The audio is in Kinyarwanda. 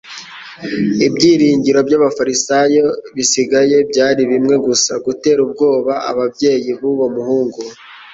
Ibyiringiro by'abafarisayo bisigaye byari bimwe gusa : gutera ubwoba ababyeyi b'uwo muhungu.